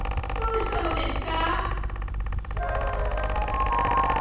どうしたのですか？